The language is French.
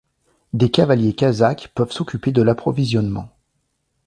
Des cavaliers kazakhs peuvent s'occuper de l'approvisionnement.